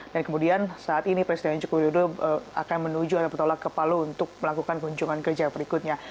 dan kemudian saat ini presiden joko widodo akan menuju atau bertolak ke palau untuk melakukan kunjungan kerja berikutnya